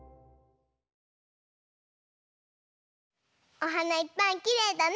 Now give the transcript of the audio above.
おはないっぱいきれいだね！